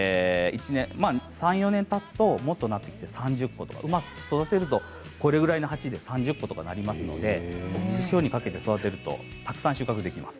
３、４年たつともっとなってきて３０個とかうまく育てるとこれぐらいの鉢で３０個とかなりますので手塩にかけて育てるとたくさん収穫できます。